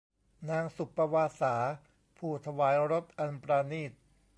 นางสุปปวาสา ผู้ถวายรสอันปราณีต